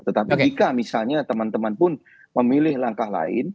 tetapi jika misalnya teman teman pun memilih langkah lain